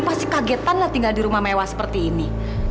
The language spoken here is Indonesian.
pasti kagetan lah tinggal di rumah mewah seperti ini